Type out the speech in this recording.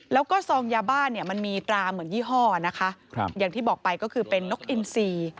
แล้วก็ซองยาบ้านเนี่ยมันมีตราเหมือนยี่ห้อนะคะอย่างที่บอกไปก็คือเป็นนกอินซี